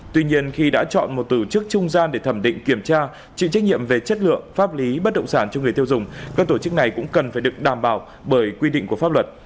tuy nhiên khi đã chọn một tổ chức trung gian để thẩm định kiểm tra chịu trách nhiệm về chất lượng pháp lý bất động sản cho người tiêu dùng các tổ chức này cũng cần phải được đảm bảo bởi quy định của pháp luật